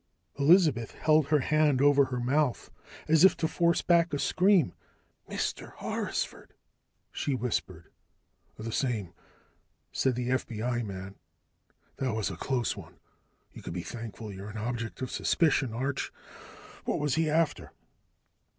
Elizabeth held her hand over her mouth, as if to force back a scream. "Mr. Horrisford," she whispered. "The same," said the FBI man. "That was a close one. You can be thankful you're an object of suspicion, Arch. What was he after?"